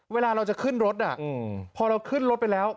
เวลาเราจะขึ้นรถพอเราขึ้นรถไปแล้ว